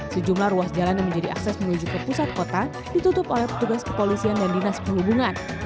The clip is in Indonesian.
sejumlah ruas jalan yang menjadi akses menuju ke pusat kota ditutup oleh petugas kepolisian dan dinas perhubungan